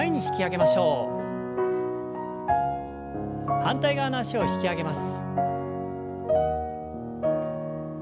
反対側の脚を引き上げます。